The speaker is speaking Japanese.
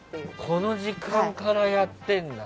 この時間からやってるんだ。